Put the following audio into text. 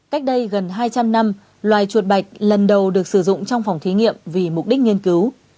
cách đây gần hai trăm linh năm loài chuột bạch lần đầu được sử dụng trong phòng thí nghiệm vì mục đích nghiên cứu